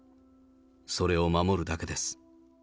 それを守るだけです。